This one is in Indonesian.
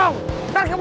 ku di nangis